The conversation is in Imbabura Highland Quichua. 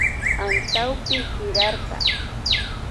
Antawpi sikarka